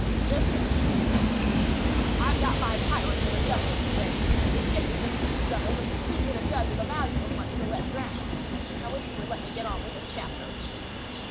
"Sister," said Anthony Rockwall. "I've got my pirate in a devil of a scrape. His ship has just been scuttled, and he's too good a judge of the value of money to let drown. I wish you would let me go on with this chapter."